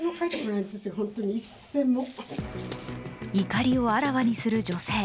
怒りをあらわにする女性。